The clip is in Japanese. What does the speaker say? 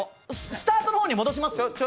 スタートの方に戻します？